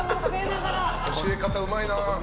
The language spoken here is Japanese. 教え方うまいな。